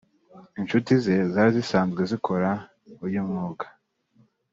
inshuti ze zari zisanzwe zikora uyu mwuga